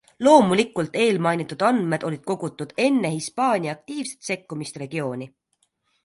Loomulikult eelmainitud andmed olid kogutud enne Hispaania aktiivset sekkumist regiooni.